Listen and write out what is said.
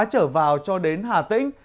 trở vào cho đến hà tĩnh